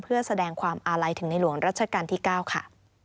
เพื่อแสดงความอาลัยถึงในหลวงรัชกาลที่๙ค่ะ